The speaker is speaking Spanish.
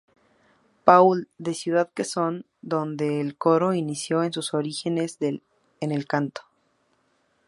Paul, de Ciudad Quezón, donde el coro inició en sus orígenes en el canto.